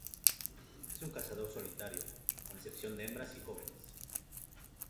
Es un cazador solitario, con la excepción de hembras y jóvenes.